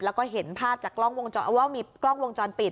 แล้วก็เห็นภาพจากกล้องวงจรเอาว่ามีกล้องวงจรปิด